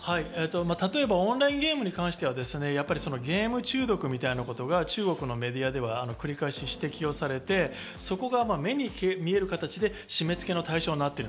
例えばオンラインゲームに関しては、ゲーム中毒みたいなことが中国のメディアでは繰り返し指摘をされていて、目に見える形でそこが締め付けの対象になっている。